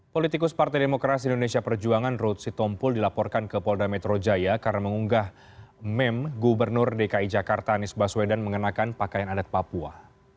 politikus partai demokrasi indonesia perjuangan rotsi tompul dilaporkan ke polda metro jaya karena mengunggah mem gubernur dki jakarta nisba swedan mengenakan pakaian adat papua